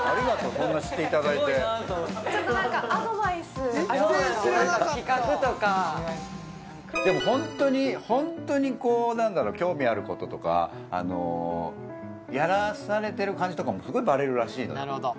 そんな知っていただいてちょっと何かアドバイス企画とかでもホントにホントに興味あることとかやらされてる感じとかはすごいバレるらしいのよ